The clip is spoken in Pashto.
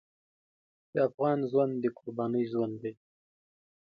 د افغان ژوند د قربانۍ ژوند دی.